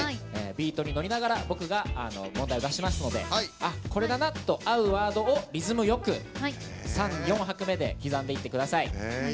ビート乗りながら僕が問題を出しますのでこれだなと合うワードをリズムよく、３、４拍目で刻んでいってください。